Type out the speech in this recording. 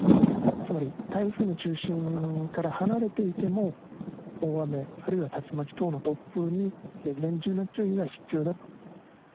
つまり台風の中心から離れていても、大雨、あるいは竜巻等の突風に厳重な注意が必要だと。